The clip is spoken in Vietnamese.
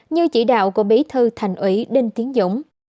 như chỉ đạo của bí thư thành ủy đinh tiến dũng